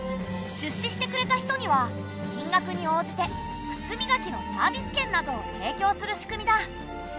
出資してくれた人には金額に応じて靴磨きのサービス券などを提供する仕組みだ。